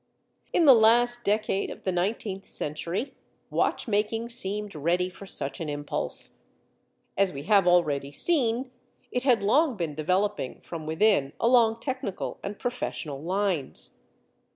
In the last decade of the nineteenth century, watch making seemed ready for such an impulse. As we have already seen, it had long been developing from within along technical and professional lines.